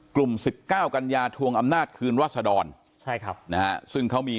สิบเก้ากัญญาทวงอำนาจคืนรัศดรใช่ครับนะฮะซึ่งเขามี